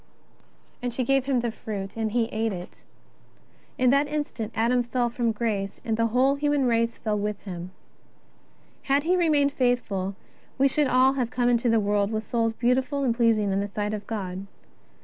And she gave him the fruit, and he ate it. In tha'j instant Adam fell from grace and the whole human race fell with him. Had he remained faithful, we should all have come into the world with souls beautiful and pleasing in the sight of God.